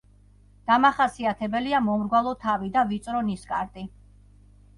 დამახასიათებელია მომრგვალო თავი და ვიწრო ნისკარტი.